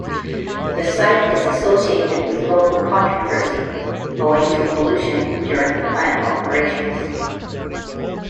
The site is associated with local controversy owing to pollution during the plant operations.